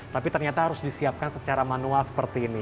tapi ternyata harus disiapkan secara manual seperti ini